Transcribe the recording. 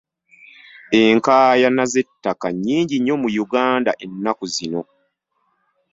Enkaayana z'ettaka nnyingi nnyo mu Uganda ennaku zino.